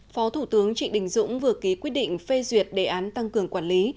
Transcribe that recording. phó thủ tướng trịnh đình dũng vừa ký quyết định phê duyệt đề án tăng cường quản lý